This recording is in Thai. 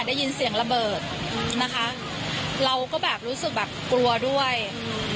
ได้ยินเสียงระเบิดนะคะเราก็แบบรู้สึกแบบกลัวด้วยอืม